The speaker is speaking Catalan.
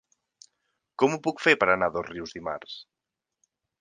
Com ho puc fer per anar a Dosrius dimarts?